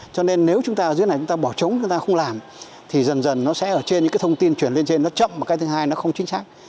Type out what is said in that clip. cho nên nếu chúng ta ở dưới này chúng ta bỏ trống chúng ta không làm thì dần dần nó sẽ ở trên những cái thông tin chuyển lên trên nó chậm và cái thứ hai nó không chính xác